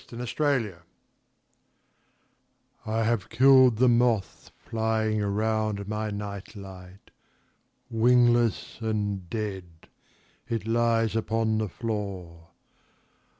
Moth Terror I HAVE killed the moth flying around my night light; wingless and dead it lies upon the floor.